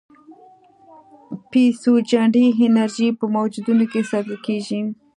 پسیوجنري انرژي په موجونو کې ساتل کېږي.